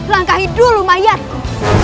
langkahi dulu mayatku